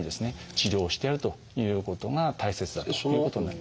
治療をしてやるということが大切だということになります。